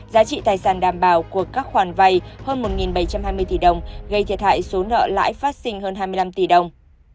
giá trị tài sản đảm bảo của các khoản vay hơn một bảy trăm hai mươi tỷ đồng gây thiệt hại số nợ lãi phát sinh hơn hai mươi năm tỷ đồng